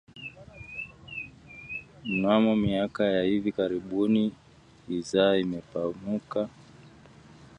Mnamo miaka ya hivi karibuni idhaa imepanuka